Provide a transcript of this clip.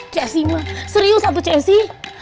ceci mah serius satu ceci